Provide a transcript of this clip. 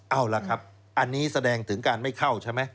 เอาล่ะครับอันนี้แสดงถึงการไม่เข้าใช่ไหม